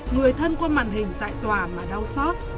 người thân qua màn hình tại tòa mà đau xót